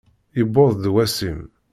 Yewweḍ-d wass-im!